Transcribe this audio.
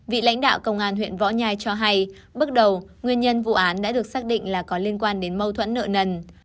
vị lãnh đạo công an huyện võ nhai cho hay bước đầu nguyên nhân vụ án đã được xác định là có liên quan đến mâu thuẫn nợ nần